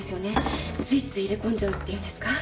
ついつい入れ込んじゃうっていうんですか。